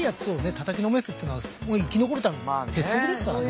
たたきのめすっていうのは生き残るための鉄則ですからね。